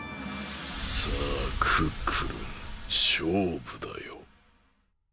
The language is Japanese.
さあクックルンしょうぶだよ。